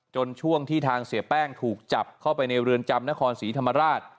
ช่วงที่ทางเสียแป้งถูกจับเข้าไปในเรือนจำนครศรีธรรมราช